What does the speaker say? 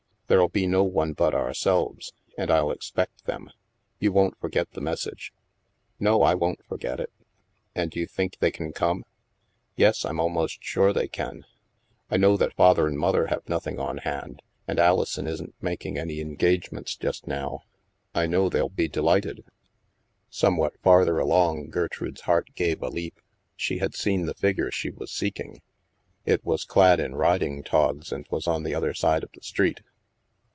There'll be no one but ourselves, and I'll expect them. You won't for get the message ?"" No, I won't forget it." " And you think they can come? "" Yes, I'm almost sure they can. I know that Mother and Father have nothing on hand, and Alison STILL WATERS 6i isn't making any engagements just now. I know they'll be delighted." Somewhat farther along, Gertrude's heart gave a leap. She had seen the figure she was seeking. It was clad in riding togs and was on the other side of the street.